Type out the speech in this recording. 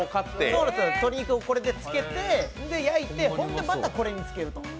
鶏をこれで漬けて、焼いて、ほんでまたこれに漬けるっていう。